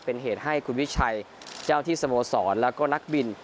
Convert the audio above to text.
เป็นเหตุให้คุณวิชัยเจ้าที่สโมสรแล้วก็นักบิน